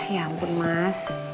ya ampun mas